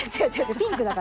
ピンクだからね。